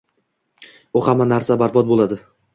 U hamma narsa barbod bo’ladi…